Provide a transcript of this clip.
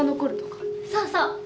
そうそう。